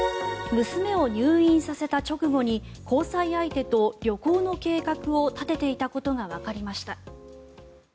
娘を入院させた直後に交際相手と旅行の計画を立てていたことがわかりました。